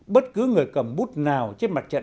bất cứ người cầm bút nào trên mặt trận